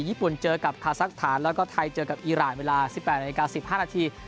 ญี่ปุ่นเจอกับคาซักสถานแล้วก็ไทยเจอกับอีรานเวลาสิบแปดนาฬิกาสิบห้านาที